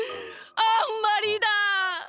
あんまりだ！